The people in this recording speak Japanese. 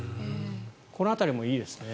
この辺りもいいですね。